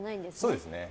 そうですね。